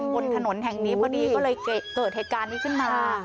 บนถนนแห่งนี้พอดีก็เลยเกิดเหตุการณ์นี้ขึ้นมา